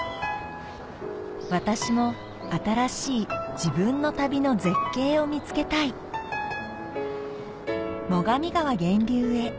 私も新しい自分の旅の絶景を見つけたい最上川源流へ